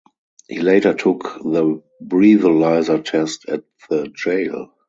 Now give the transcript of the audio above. He later took the breathalyzer test at the jail.